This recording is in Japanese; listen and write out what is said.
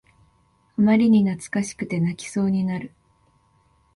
あまりに懐かしくて泣きそうになる